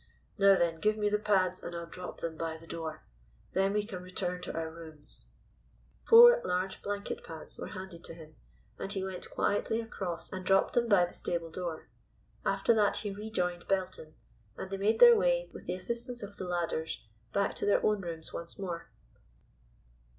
Now then, give me the pads and I'll drop them by the door. Then we can return to our rooms." Four large blanket pads were handed to him, and he went quietly across and dropped them by the stable door. After that he rejoined Belton, and they made their way, with the assistance of the ladders, back to their own rooms once more.